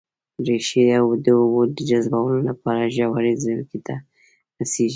ريښې د اوبو جذبولو لپاره ژورې ځمکې ته رسېږي